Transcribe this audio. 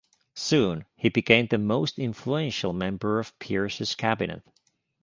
Soon, he became the most influential member of Pierce's cabinet.